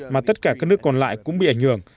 mà tất cả các nước còn lại cũng bị ảnh hưởng